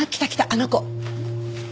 あの子。